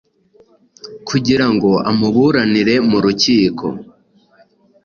kugira ngo amuburanire mu rukiko.